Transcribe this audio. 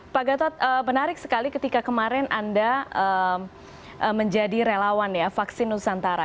pak gatot menarik sekali ketika kemarin anda menjadi relawan ya vaksin nusantara